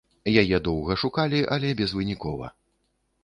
Яе доўга шукалі, але безвынікова.